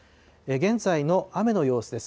現在の雨の様子です。